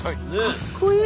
かっこいい。